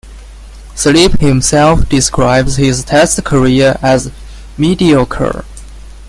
Sleep himself describes his test career as "mediocre".